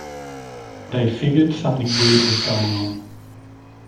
They figured something weird was going on.